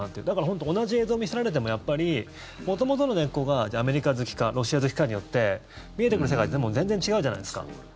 だから、同じ映像を見せられてもやっぱり元々の根っこがアメリカ好きかロシア好きかによって見えてくる世界って全然違うじゃないですか。